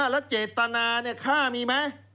แล้วเจตนาฆ่ามีไหม